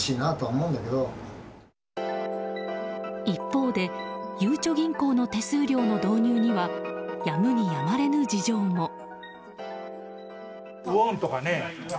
一方でゆうちょ銀行の手数料の導入にはやむにやまれぬ事情も。